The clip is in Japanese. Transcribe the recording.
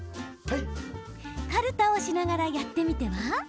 かるたをしながらやってみては？